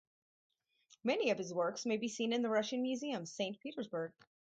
Many of his works may be seen in the Russian Museum, Saint Petersburg.